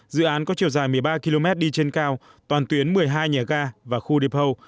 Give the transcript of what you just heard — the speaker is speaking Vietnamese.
dự án có chiều dài một mươi ba km đi trên cao toàn tuyến một mươi hai nhà ga và khu depal